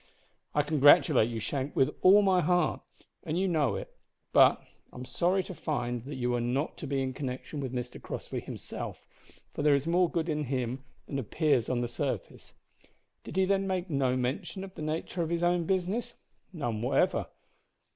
"I congratulate you, Shank, with all my heart, and you know it; but I'm sorry to find that you are not to be in connection with Mr Crossley himself, for there is more good in him than appears on the surface. Did he then make no mention of the nature of his own business?" "None whatever.